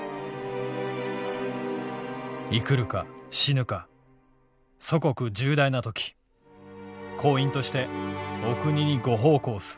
「生くるか死ぬか祖国重大な秋工員としてお国にご奉公する身だ。